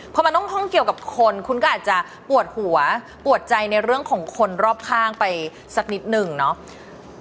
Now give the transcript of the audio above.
พอมันต้องห้องเกี่ยวกับคนคุณก็อาจจะปวดหัวปวดใจในเรื่องของคนรอบข้างไปสักนิดนึงเนาะ